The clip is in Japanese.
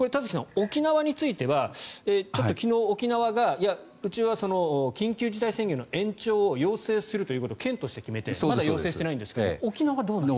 沖縄についてはちょっと昨日、沖縄がいや、うちは緊急事態宣言の延長を要請するということを県として決めてまだ要請してないんですが沖縄はどうなんですか。